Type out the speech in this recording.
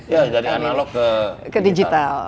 ya dari analog ke digital